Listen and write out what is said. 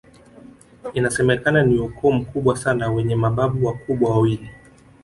Inasemekana ni ukoo mkubwa sana wenye mababu wakubwa wawili